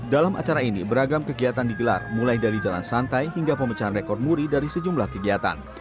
dalam acara ini beragam kegiatan digelar mulai dari jalan santai hingga pemecahan rekor muri dari sejumlah kegiatan